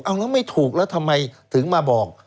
เอาแล้วไม่ถูกแล้วทำไมถึงมาบอก